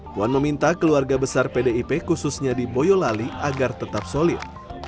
puan meminta keluarga besar pdip khususnya di boyolali agar tetap solid